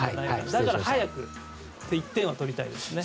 だから、早く１点は取りたいですね。